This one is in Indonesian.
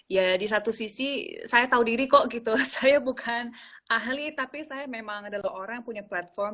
ya di satu sisi saya tahu diri kok gitu saya bukan ahli tapi saya memang adalah orang yang punya platform